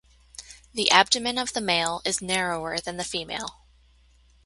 The abdomen of the male is narrower than the female.